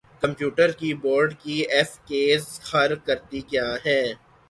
computer keyboard کی F keys خر کرتی کیا ہیں